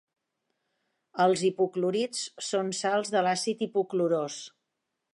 Els hipoclorits són sals de l'àcid hipoclorós.